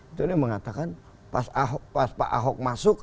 itu ada yang mengatakan pas pak ahok masuk